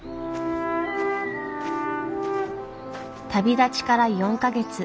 旅立ちから４か月。